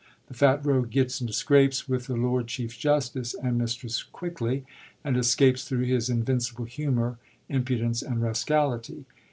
The fat rogue gets into scrapes with the Lord Chief Justice and Mistress Quickly, and escapes thru his invincible humor, impu dence, and rascality.